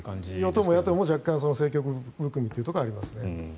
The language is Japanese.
与党も野党も政局含みというところはありますね。